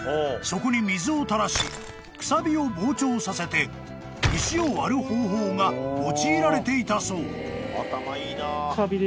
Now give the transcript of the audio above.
［そこに水を垂らしくさびを膨張させて石を割る方法が用いられていたそう］